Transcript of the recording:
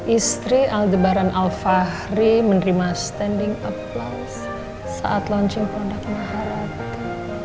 istri aldebaran alfahri menerima standing applause saat launching produk maharata